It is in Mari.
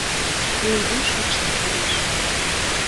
Тулвуй шикшын кодеш.